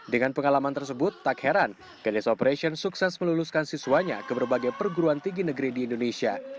dengan pengalaman tersebut tak heran ganesh operation sukses meluluskan siswanya ke berbagai perguruan tinggi negeri di indonesia